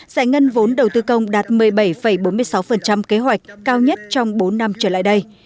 giải ngân vốn đầu tư công đạt một mươi bảy bốn mươi sáu kế hoạch cao nhất trong bốn năm trở lại đây